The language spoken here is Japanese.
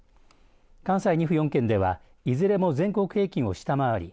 関西２府４県ではいずれも全国平均を下回り